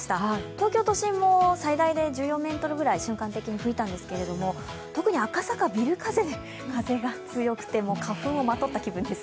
東京都心も最大で１４メートルぐらい瞬間的に吹いたんですけれども、特に赤坂、ビル風で風が強くて花粉をまとった気分です。